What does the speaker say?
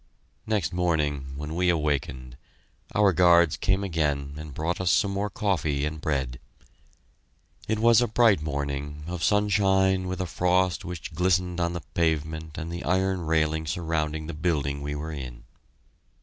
Next morning, when we awakened, our guards came again and brought us some more coffee and bread. It was a bright morning, of sunshine, with a frost which glistened on the pavement and the iron railing surrounding the building we were in.